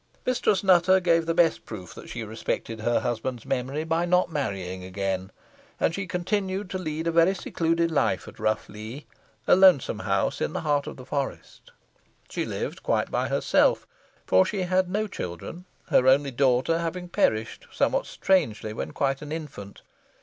Mistress Nutter gave the best proof that she respected her husband's memory by not marrying again, and she continued to lead a very secluded life at Rough Lee, a lonesome house in the heart of the forest. She lived quite by herself, for she had no children, her only daughter having perished somewhat strangely when quite an infant.